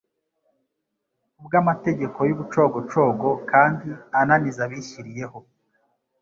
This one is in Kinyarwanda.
Kubw'amategeko y'ubucogocogo kandi ananizabishyiriyeho,